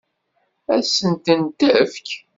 Ad sen-tent-tefk?